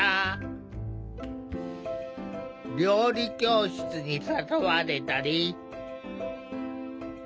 料理教室に誘われたり。